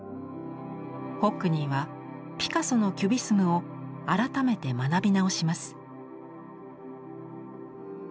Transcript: ホックニーはピカソのキュビスムを改めて学び直します。